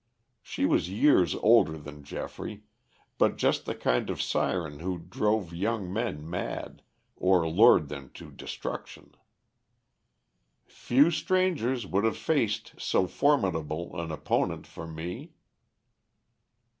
She was years older than Geoffrey, but just the kind of siren who drove young men mad, or lured them to destruction. "Few strangers would have faced so formidable an opponent for me."